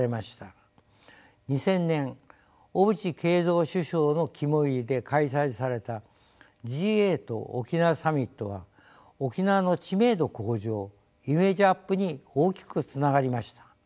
２０００年小渕恵三首相の肝煎りで開催されたＧ８沖縄サミットは沖縄の知名度向上イメージアップに大きくつながりました。